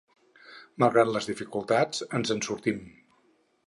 Malgrat les dificultats, ens en sortim.